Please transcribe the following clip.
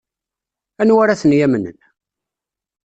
Anwa ara ten-yamnen?